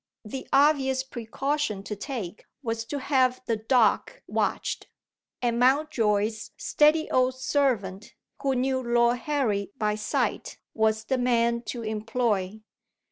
The obvious precaution to take was to have the Dock watched; and Mountjoy's steady old servant, who knew Lord Harry by sight, was the man to employ.